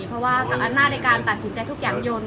เพราะว่าหน้าในการตัดสินใจทุกอย่างยนต์